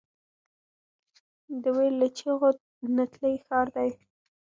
د ویر له چیغو نتلی ښار دی